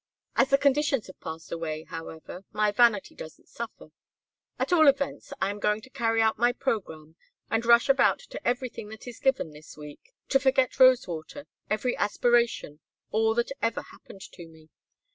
As the conditions have passed away, however, my vanity doesn't suffer. At all events I am going to carry out my program and rush about to everything that is given this week, to forget Rosewater, every aspiration, all that ever happened to me.